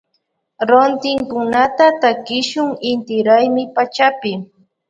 Rontinkunata takishun inti raymi pachapi.